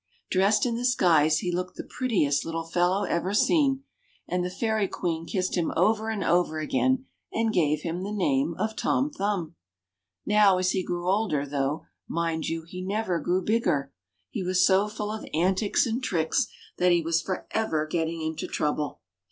Dressed in this guise he looked the prettiest little fellow ever seen, and the Fairy Queen kissed him over and over again, and gave him the name of Tom Thumb. Now as he grew older — though, mind you, he never TRUE HISTORY OF SIR THOMAS THUMB 205 grew bigger — he was so full of antics and tricks that he was for ever getting into trouble.